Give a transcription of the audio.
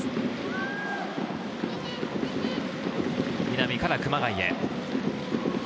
南から熊谷へ。